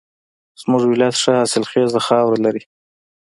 زمونږ ولایت ښه حاصلخیزه خاوره لري